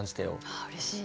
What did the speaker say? あうれしい。